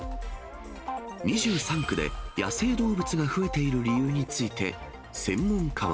２３区で野生動物が増えている理由について、専門家は。